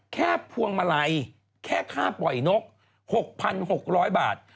พวงมาลัยแค่ค่าปล่อยนก๖๖๐๐บาท